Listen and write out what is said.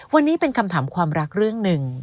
วันนี้เป็นคำถามความรักเรื่องหนึ่ง